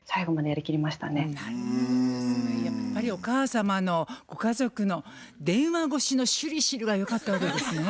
やっぱりお母様のご家族の電話越しのしゅりしゅりがよかったわけですね。